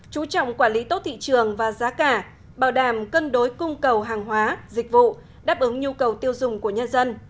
chú trọng quản lý tốt thị trường và giá cả bảo đảm cân đối cung cầu hàng hóa dịch vụ đáp ứng nhu cầu tiêu dùng của nhân dân